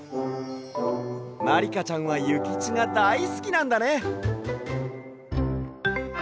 まりかちゃんはゆきちがだいすきなんだね！